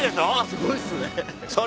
すごいっすね。